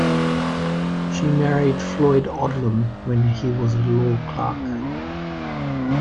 She married Floyd Odlum when he was a law clerk.